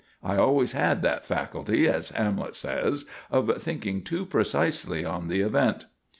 I always had that faculty, as Hamlet says, of thinking too precisely on the event.